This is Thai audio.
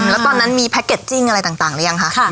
แล้วตอนนั้นมีแพ็กเกจจิ้งอะไรต่างหรือยังคะ